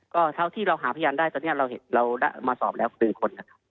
ก็เท่าที่เราหาพยานได้ตอนนี้เรามาสอบแล้ว๑คนนะครับ